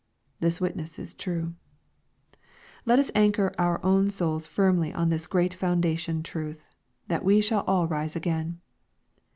This witness is true. Let us anchor our own souls firmly on this great foundation truth, " that we shall all rise again.